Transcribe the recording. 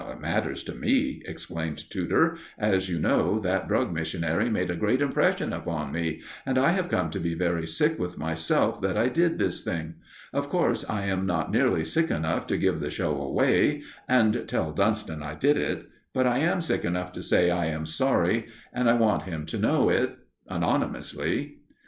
"It matters to me," explained Tudor. "As you know, that Drug Missionary made a great impression upon me, and I have come to be very sick with myself that I did this thing. Of course, I am not nearly sick enough to give the show away and tell Dunston I did it, but I am sick enough to say I am sorry, and I want him to know it anonymously."